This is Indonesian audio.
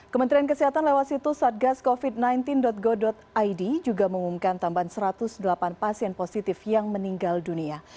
kementerian kesehatan lewat situs satgascovid sembilan belas go id juga mengumumkan tambahan satu ratus delapan pasien positif yang meninggal dunia